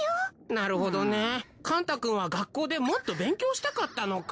なるほどねカン太くんは学校でもっと勉強したかったのか。